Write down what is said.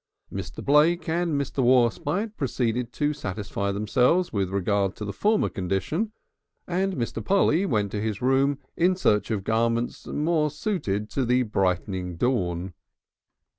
Mr. Blake and Mr. Warspite proceeded to satisfy themselves with regard to the former condition, and Mr. Polly went to his room in search of garments more suited to the brightening dawn.